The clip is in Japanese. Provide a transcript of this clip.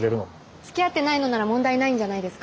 つきあってないのなら問題ないんじゃないですか？